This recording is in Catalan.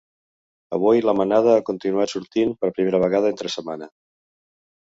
Avui la mainada ha continuat sortint, per primera vegada entre setmana.